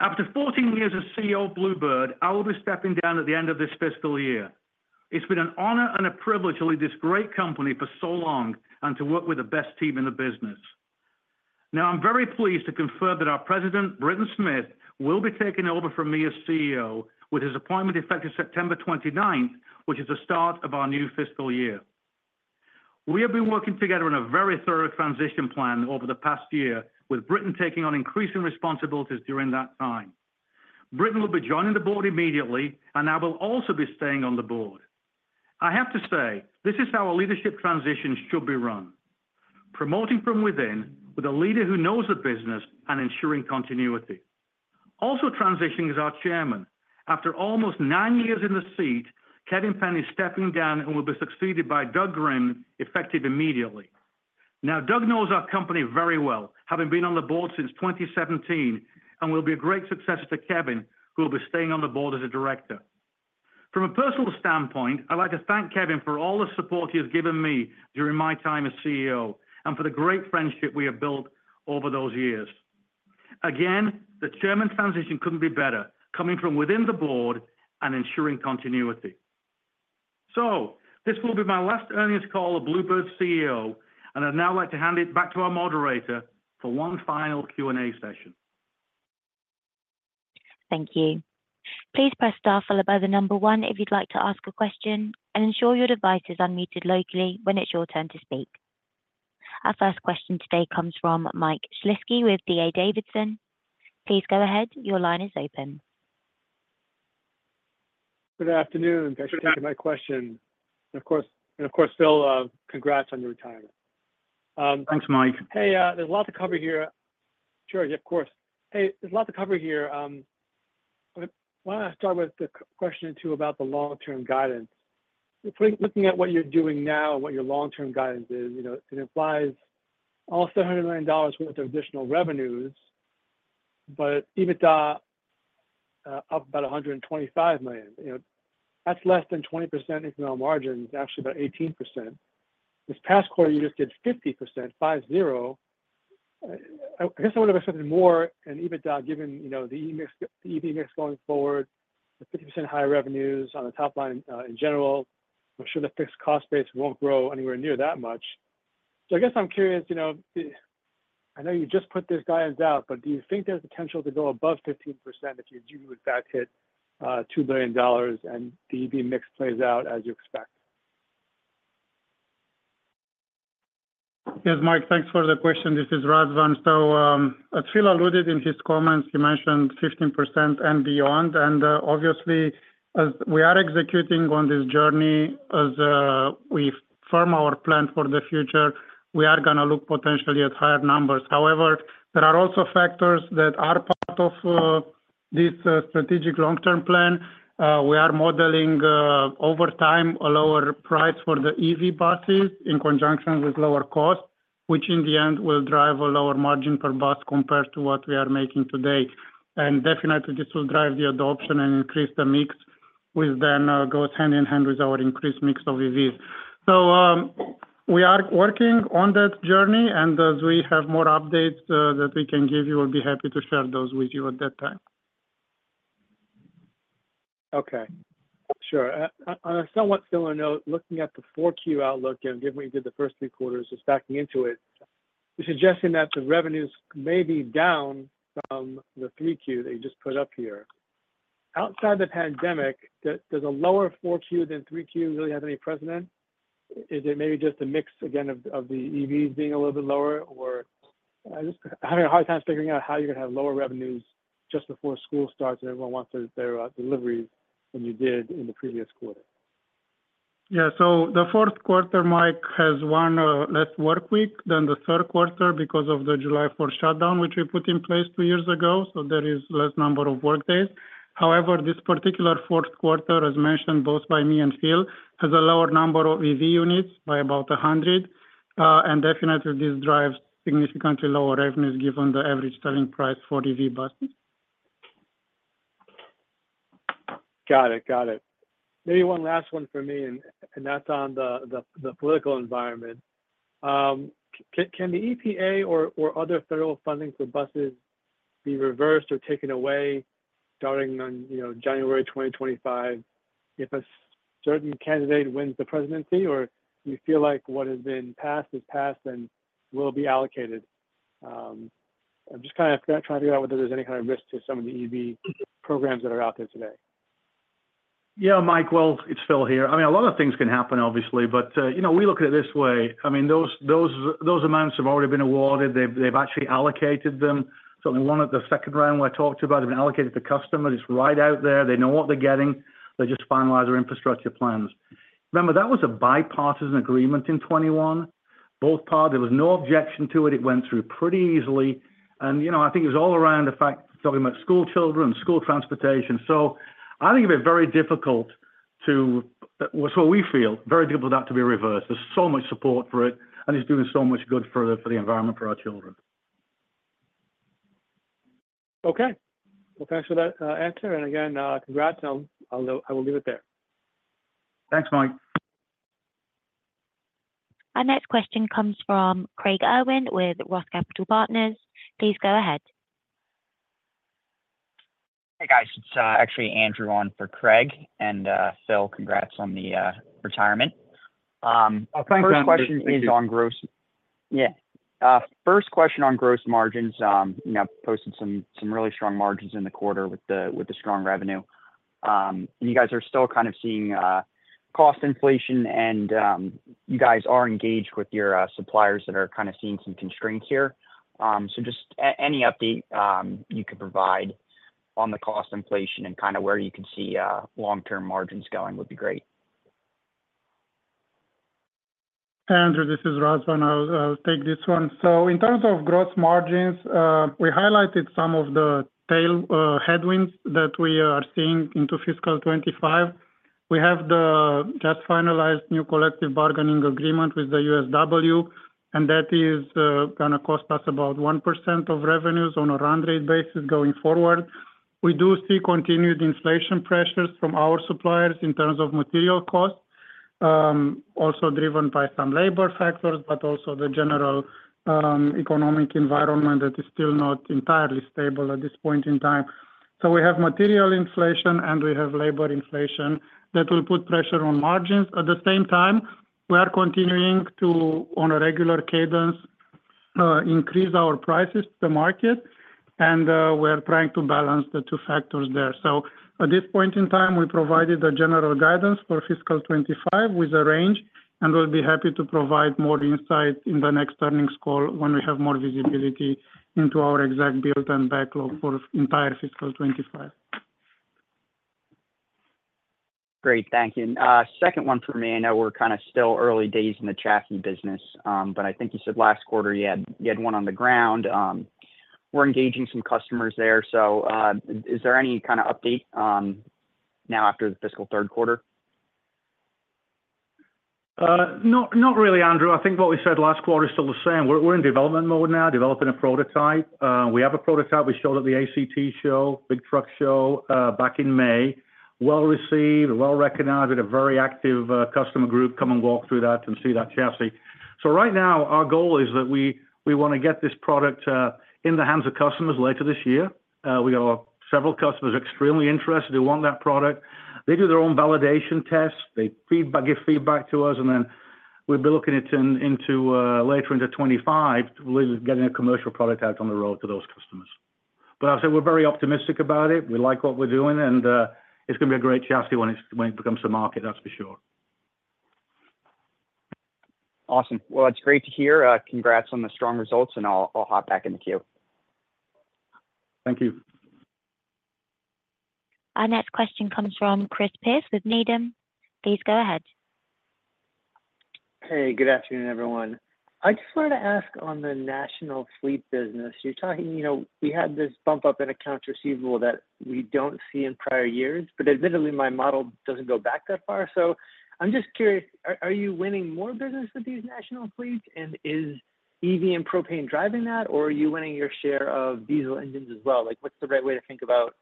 After 14 years as CEO of Blue Bird, I will be stepping down at the end of this fiscal year. It's been an honor and a privilege to lead this great company for so long and to work with the best team in the business. Now, I'm very pleased to confirm that our President, Britton Smith, will be taking over from me as CEO, with his appointment effective September twenty-ninth, which is the start of our new fiscal year. We have been working together on a very thorough transition plan over the past year, with Britton taking on increasing responsibilities during that time. Britton will be joining the board immediately, and I will also be staying on the board. I have to say, this is how a leadership transition should be run, promoting from within with a leader who knows the business and ensuring continuity. Also transitioning is our Chairman. After almost nine years in the seat, Kevin Penn is stepping down and will be succeeded by Doug Grimm, effective immediately. Now, Doug knows our company very well, having been on the board since 2017, and will be a great successor to Kevin, who will be staying on the board as a director. From a personal standpoint, I'd like to thank Kevin for all the support he has given me during my time as CEO and for the great friendship we have built over those years. Again, the chairman's transition couldn't be better, coming from within the board and ensuring continuity. This will be my last earnings call as Blue Bird's CEO, and I'd now like to hand it back to our moderator for one final Q&A session. Thank you. Please press star followed by one if you'd like to ask a question and ensure your device is unmuted locally when it's your turn to speak. Our first question today comes from Mike Shlisky with D.A. Davidson. Please go ahead. Your line is open. Good afternoon- Good afternoon. Thanks for taking my question. And of course, and of course, Phil, congrats on your retirement. Thanks, Mike. Hey, there's a lot to cover here. Sure. Yeah, of course. Hey, there's a lot to cover here.... Why don't I start with the question or two about the long-term guidance? Looking at what you're doing now and what your long-term guidance is, you know, it implies also $100 million worth of additional revenues, but EBITDA up about $125 million. You know, that's less than 20% incremental margin. It's actually about 18%. This past quarter, you just did 50%, 50. I guess I would have expected more in EBITDA, given, you know, the EV mix, the EV mix going forward, the 50% higher revenues on the top line, in general. I'm sure the fixed cost base won't grow anywhere near that much. So I guess I'm curious, you know. I know you just put this guidance out, but do you think there's potential to go above 15% if your EV backlog hit $2 billion, and the EV mix plays out as you expect? Yes, Mike, thanks for the question. This is Razvan. So, as Phil alluded in his comments, he mentioned 15% and beyond, and, obviously, as we are executing on this journey, as, we firm our plan for the future, we are gonna look potentially at higher numbers. However, there are also factors that are part of, this, strategic long-term plan. We are modeling, over time, a lower price for the EV buses in conjunction with lower costs, which in the end will drive a lower margin per bus compared to what we are making today. And definitely, this will drive the adoption and increase the mix, which then, goes hand-in-hand with our increased mix of EVs. We are working on that journey, and as we have more updates, that we can give you, we'll be happy to share those with you at that time. Okay. Sure. On a somewhat similar note, looking at the 4Q outlook and given what you did the first three quarters, just backing into it, you're suggesting that the revenues may be down from the 3Q that you just put up here. Outside the pandemic, does a lower 4Q than 3Q really have any precedent? Is it maybe just a mix again of the EVs being a little bit lower, or I'm having a hard time figuring out how you're gonna have lower revenues just before school starts, and everyone wants their deliveries than you did in the previous quarter. Yeah, so the fourth quarter, Mike, has one less work week than the third quarter because of the July Fourth shutdown, which we put in place two years ago, so there is less number of work days. However, this particular fourth quarter, as mentioned both by me and Phil, has a lower number of EV units by about 100, and definitely, this drives significantly lower revenues on the average selling price for the EV buses. Got it. Got it. Maybe one last one for me, and that's on the political environment. Can the EPA or other federal funding for buses be reversed or taken away starting on, you know, January 2025, if a certain candidate wins the presidency, or do you feel like what has been passed is passed and will be allocated? I'm just kinda trying to figure out whether there's any kind of risk to some of the EV programs that are out there today. Yeah, Mike. Well, it's Phil here. I mean, a lot of things can happen, obviously, but you know, we look at it this way. I mean, those amounts have already been awarded. They've actually allocated them. So in one of the second round, where I talked about, they've been allocated to customers. It's right out there. They know what they're getting. They just finalize their infrastructure plans. Remember, that was a bipartisan agreement in 2021. Both parties, there was no objection to it. It went through pretty easily. And, you know, I think it was all around the fact, talking about schoolchildren and school transportation. So I think it'd be very difficult to... Well, so we feel, very difficult for that to be reversed. There's so much support for it, and it's doing so much good for the environment, for our children. Okay. Well, thanks for that, answer, and again, congrats on- I will leave it there. Thanks, Mike. Our next question comes from Craig Irwin with Roth Capital Partners. Please go ahead. Hey, guys. It's actually Andrew on for Craig, and Phil, congrats on the retirement. Oh, thank you. First question is on gross. Yeah, first question on gross margins. You know, posted some, some really strong margins in the quarter with the, with the strong revenue. And you guys are still kind of seeing, cost inflation and, you guys are engaged with your, suppliers that are kind of seeing some constraints here. So just any update, you could provide on the cost inflation and kind of where you can see, long-term margins going would be great. Andrew, this is Razvan. I'll take this one. So in terms of gross margins, we highlighted some of the headwinds that we are seeing into fiscal 2025. We have the just finalized new collective bargaining agreement with the USW, and that is gonna cost us about 1% of revenues on a run rate basis going forward. We do see continued inflation pressures from our suppliers in terms of material costs, also driven by some labor factors, but also the general economic environment that is still not entirely stable at this point in time. So we have material inflation, and we have labor inflation that will put pressure on margins. At the same time, we are continuing to, on a regular cadence, increase our prices to the market, and we're trying to balance the two factors there. So at this point in time, we provided a general guidance for fiscal 2025 with a range, and we'll be happy to provide more insight in the next earnings call when we have more visibility into our exact build and backlog for entire fiscal 2025.... Great, thank you. And, second one for me. I know we're kind of still early days in the chassis business, but I think you said last quarter you had, you had one on the ground. We're engaging some customers there. So, is there any kind of update, now after the fiscal third quarter? Not really, Andrew. I think what we said last quarter still the same. We're in development mode now, developing a prototype. We have a prototype we showed at the ACT show, big truck show, back in May. Well-received, well-recognized, had a very active customer group come and walk through that and see that chassis. So right now, our goal is that we wanna get this product in the hands of customers later this year. We got several customers extremely interested, who want that product. They do their own validation tests, they feedback—give feedback to us, and then we'll be looking it into later into 2025, really getting a commercial product out on the road to those customers. But I'll say we're very optimistic about it. We like what we're doing, and it's gonna be a great chassis when it comes to market, that's for sure. Awesome. Well, it's great to hear. Congrats on the strong results, and I'll hop back in the queue. Thank you. Our next question comes from Chris Pierce with Needham. Please go ahead. Hey, good afternoon, everyone. I just wanted to ask on the national fleet business. You're talking, you know, we had this bump up in accounts receivable that we don't see in prior years, but admittedly, my model doesn't go back that far. So I'm just curious, are you winning more business with these national fleets? And is EV and propane driving that, or are you winning your share of diesel engines as well? Like, what's the right way to think about,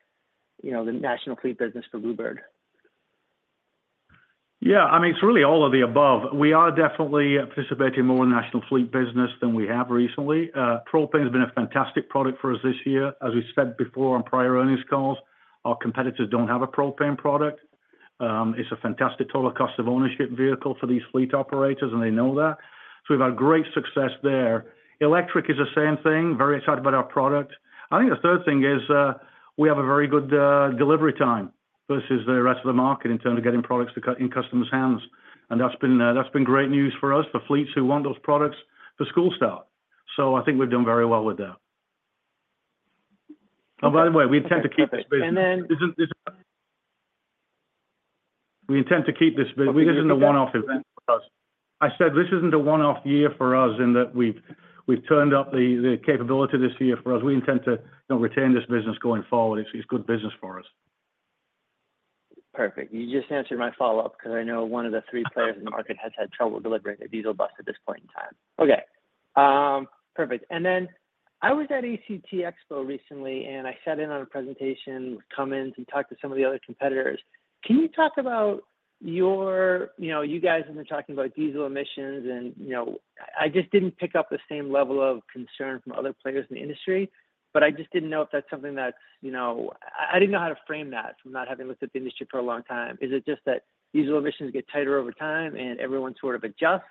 you know, the national fleet business for Blue Bird? Yeah, I mean, it's really all of the above. We are definitely participating more in national fleet business than we have recently. Propane has been a fantastic product for us this year. As we said before on prior earnings calls, our competitors don't have a propane product. It's a fantastic total cost of ownership vehicle for these fleet operators, and they know that. So we've had great success there. Electric is the same thing, very excited about our product. I think the third thing is, we have a very good delivery time versus the rest of the market in terms of getting products to customers' hands. And that's been great news for us, for fleets who want those products for school start. So I think we've done very well with that. Oh, by the way, we intend to keep this business. And then- We intend to keep this business. This isn't a one-off event for us. I said this isn't a one-off year for us, in that we've turned up the capability this year for us. We intend to, you know, retain this business going forward. It's good business for us. Perfect. You just answered my follow-up, because I know one of the three players in the market has had trouble delivering a diesel bus at this point in time. Okay, perfect. And then, I was at ACT Expo recently, and I sat in on a presentation, came in to talk to some of the other competitors. Can you talk about your... You know, you guys have been talking about diesel emissions and, you know, I just didn't pick up the same level of concern from other players in the industry, but I just didn't know if that's something that, you know, I, I didn't know how to frame that from not having looked at the industry for a long time. Is it just that diesel emissions get tighter over time and everyone sort of adjusts,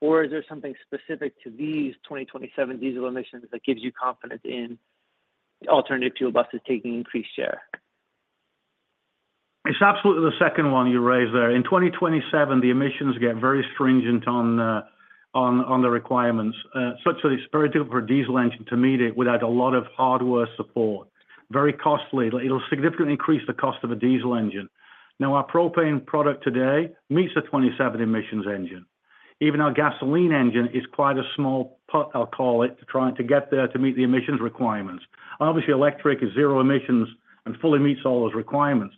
or is there something specific to these 2027 diesel emissions that gives you confidence in alternative fuel buses taking increased share? It's absolutely the second one you raised there. In 2027, the emissions get very stringent on the requirements, such that it's very difficult for a diesel engine to meet it without a lot of hardware support. Very costly. It'll significantly increase the cost of a diesel engine. Now, our propane product today meets the 2027 emissions engine. Even our gasoline engine is quite small as I call it, but I'll try to get there to meet the emissions requirements. Obviously, electric is zero emissions and fully meets all those requirements.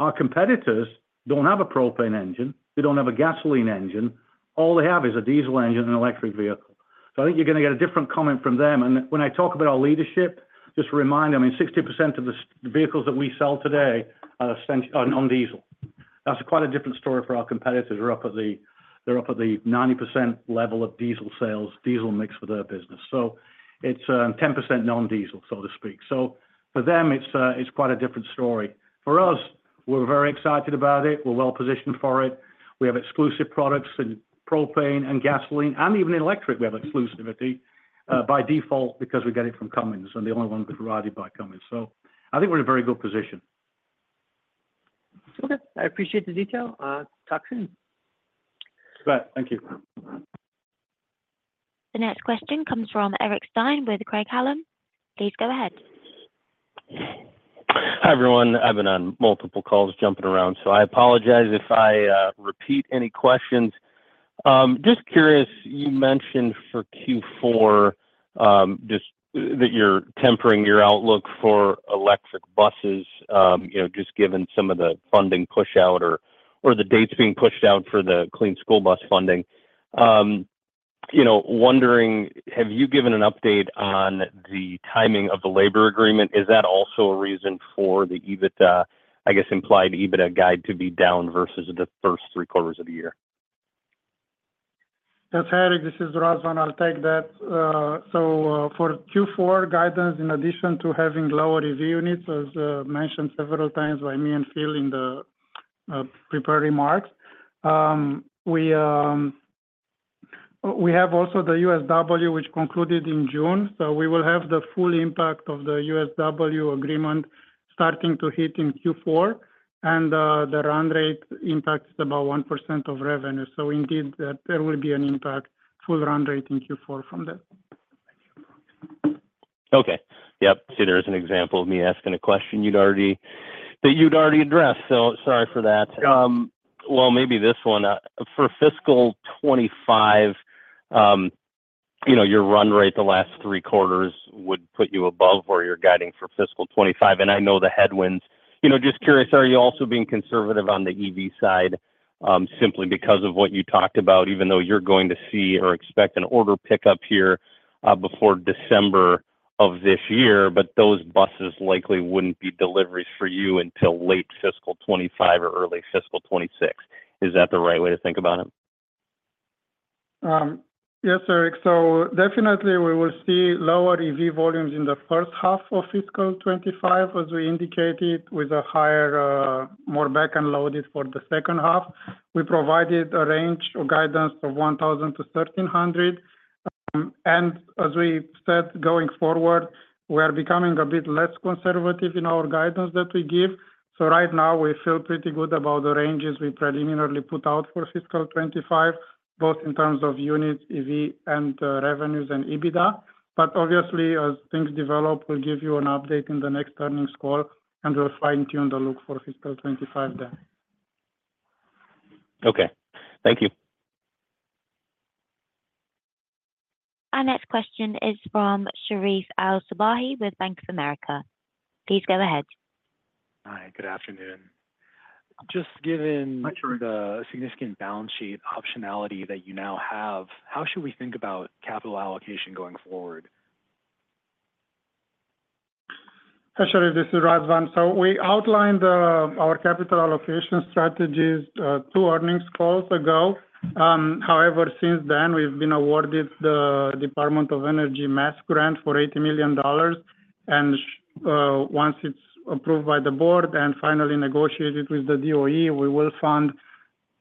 Our competitors don't have a propane engine, they don't have a gasoline engine. All they have is a diesel engine and electric vehicle. So I think you're gonna get a different comment from them. When I talk about our leadership, just a reminder, I mean, 60% of the vehicles that we sell today are non-diesel. That's quite a different story for our competitors. They're up at the 90% level of diesel sales, diesel mix for their business. So it's quite a different story. For us, we're very excited about it. We're well positioned for it. We have exclusive products in propane and gasoline, and even in electric, we have exclusivity by default because we get it from Cummins, and the only one provided by Cummins. So I think we're in a very good position. Okay, I appreciate the detail. Talk soon. Bye. Thank you. The next question comes from Eric Stine with Craig-Hallum. Please go ahead. Hi, everyone. I've been on multiple calls jumping around, so I apologize if I repeat any questions. Just curious, you mentioned for Q4, just that you're tempering your outlook for electric buses, you know, just given some of the funding pushout or, or the dates being pushed out for the Clean School Bus funding. You know, wondering, have you given an update on the timing of the labor agreement? Is that also a reason for the EBITDA, I guess, implied EBITDA guide to be down versus the first three quarters of the year? Yes, Eric, this is Razvan. I'll take that. So, for Q4 guidance, in addition to having lower revenue units, as mentioned several times by me and Phil in the prepared remarks, we have also the USW, which concluded in June. So we will have the full impact of the USW agreement starting to hit in Q4, and the run rate impacts about 1% of revenue. So indeed, that there will be an impact, full run rate in Q4 from that.... Okay. Yep, see, there's an example of me asking a question you'd already, that you'd already addressed, so sorry for that. Well, maybe this one. For fiscal 2025, you know, your run rate, the last three quarters would put you above where you're guiding for fiscal 2025, and I know the headwinds. You know, just curious, are you also being conservative on the EV side, simply because of what you talked about, even though you're going to see or expect an order pickup here, before December of this year, but those buses likely wouldn't be deliveries for you until late fiscal 2025 or early fiscal 2026? Is that the right way to think about it? Yes, Eric. So definitely we will see lower EV volumes in the first half of fiscal 2025, as we indicated, with a higher, more back-end loaded for the second half. We provided a range of guidance of 1,000-1,300. And as we said, going forward, we are becoming a bit less conservative in our guidance that we give. So right now, we feel pretty good about the ranges we preliminarily put out for fiscal 2025, both in terms of units, EV, and revenues and EBITDA. But obviously, as things develop, we'll give you an update in the next earnings call, and we'll fine-tune the look for fiscal 2025 then. Okay. Thank you. Our next question is from Sherif El-Sabbahy with Bank of America. Please go ahead. Hi, good afternoon. Just given the significant balance sheet optionality that you now have, how should we think about capital allocation going forward? Hi, Sherif, this is Razvan. So we outlined our capital allocation strategies two earnings calls ago. However, since then, we've been awarded the Department of Energy MESC grant for $80 million, and once it's approved by the board and finally negotiated with the DOE, we will fund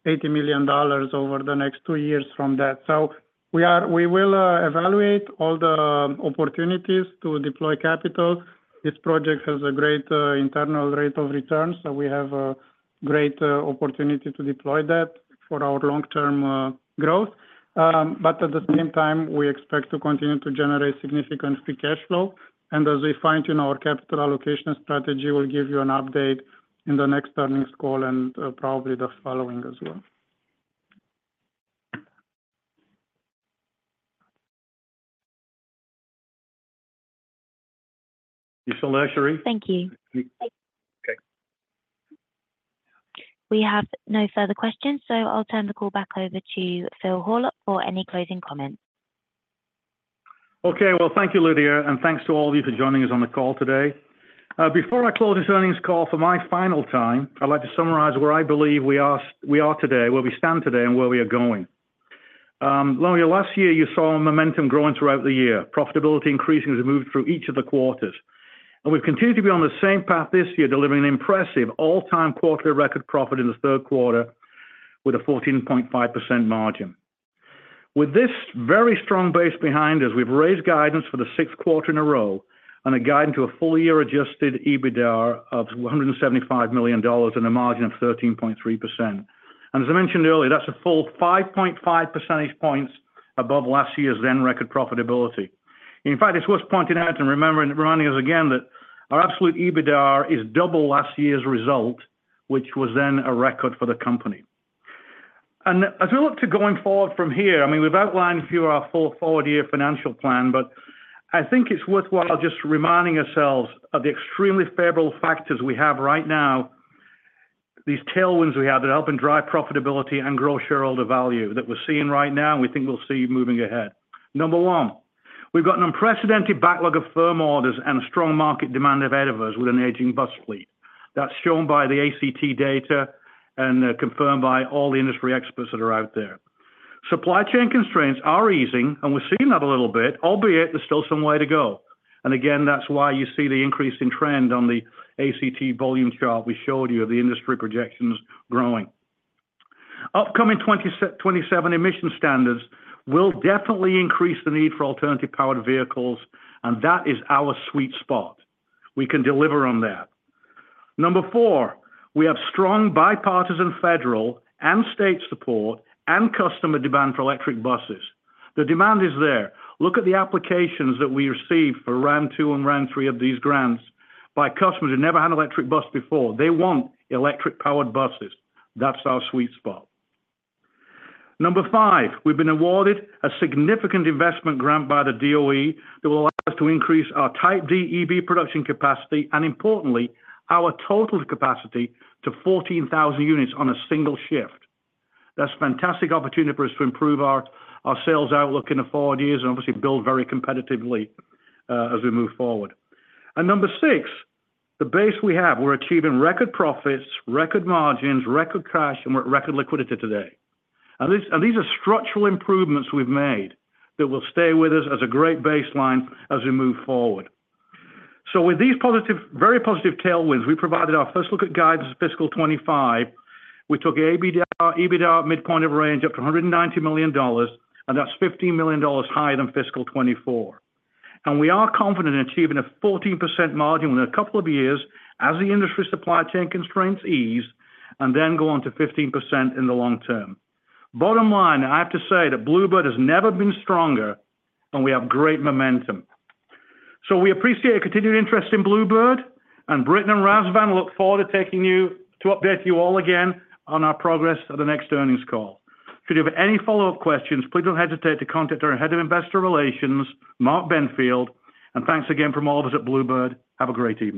$80 million over the next two years from that. So we will evaluate all the opportunities to deploy capital. This project has a great internal rate of return, so we have a great opportunity to deploy that for our long-term growth. But at the same time, we expect to continue to generate significant free cash flow, and as we fine-tune our capital allocation strategy, we'll give you an update in the next earnings call and probably the following as well. You still there, Sherif? Thank you. Okay. We have no further questions, so I'll turn the call back over to Phil Horlock for any closing comments. Okay. Well, thank you, Lydia, and thanks to all of you for joining us on the call today. Before I close this earnings call for my final time, I'd like to summarize where I believe we are today, where we stand today and where we are going. Lydia, last year, you saw momentum growing throughout the year, profitability increasing as it moved through each of the quarters, and we've continued to be on the same path this year, delivering an impressive all-time quarterly record profit in the third quarter with a 14.5% margin. With this very strong base behind us, we've raised guidance for the sixth quarter in a row on a guide to a full-year adjusted EBITDA of $175 million and a margin of 13.3%. As I mentioned earlier, that's a full 5.5 percentage points above last year's then record profitability. In fact, it's worth pointing out and remembering, reminding us again that our absolute EBITDA is double last year's result, which was then a record for the company. As we look to going forward from here, I mean, we've outlined a few of our full forward year financial plan, but I think it's worthwhile just reminding ourselves of the extremely favorable factors we have right now, these tailwinds we have that are helping drive profitability and grow shareholder value that we're seeing right now and we think we'll see moving ahead. Number one, we've got an unprecedented backlog of firm orders and a strong market demand ahead of us with an aging bus fleet. That's shown by the ACT data and, confirmed by all the industry experts that are out there. Supply chain constraints are easing, and we're seeing that a little bit, albeit there's still some way to go. And again, that's why you see the increase in trend on the ACT volume chart we showed you of the industry projections growing. Upcoming 27 emission standards will definitely increase the need for alternative powered vehicles, and that is our sweet spot. We can deliver on that. Number four, we have strong bipartisan federal and state support and customer demand for electric buses. The demand is there. Look at the applications that we received for Round 2 and Round 3 of these grants by customers who never had an electric bus before. They want electric-powered buses. That's our sweet spot. Number five, we've been awarded a significant investment grant by the DOE that will allow us to increase our Type D EV production capacity, and importantly, our total capacity to 14,000 units on a single shift. That's a fantastic opportunity for us to improve our sales outlook in the forward years and obviously build very competitively as we move forward. And number six, the base we have, we're achieving record profits, record margins, record cash, and record liquidity today. And these are structural improvements we've made that will stay with us as a great baseline as we move forward. So with these positive, very positive tailwinds, we provided our first look at guidance of fiscal 2025. We took EBITDA at midpoint of range up to $190 million, and that's $15 million higher than fiscal 2024. We are confident in achieving a 14% margin in a couple of years as the industry supply chain constraints ease and then go on to 15% in the long term. Bottom line, I have to say that Blue Bird has never been stronger, and we have great momentum. We appreciate your continued interest in Blue Bird, and Britton and Razvan look forward to updating you all again on our progress at the next earnings call. If you have any follow-up questions, please don't hesitate to contact our Head of Investor Relations, Mark Benfield. And thanks again from all of us at Blue Bird. Have a great evening.